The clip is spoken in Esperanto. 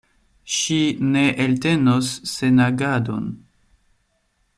Ŝi ne eltenos senagadon.